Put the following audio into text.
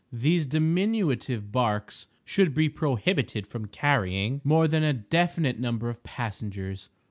These diminutive barques should be prohibited from carrying more than a definite number of passengers.